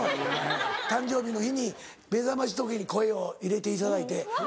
誕生日の日に目覚まし時計に声を入れていただいて。